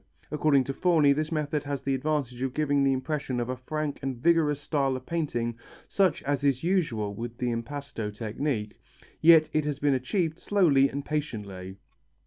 According to Forni this method has the advantage of giving the impression of a frank and vigorous style of painting such as is usual with the impasto technique, and yet it has been achieved slowly and patiently.